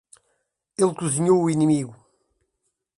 Ele cozinhou o inimigo.